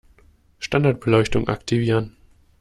Standardbeleuchtung aktivieren